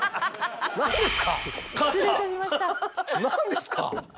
何ですか？